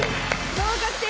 合格点